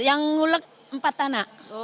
yang ngulek empat tanah